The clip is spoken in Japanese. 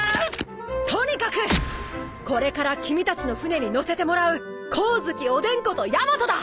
とにかくこれから君たちの船に乗せてもらう光月おでんことヤマトだ！